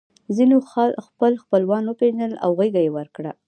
ځینو خپل خپلوان وپېژندل او غېږه یې ورکړه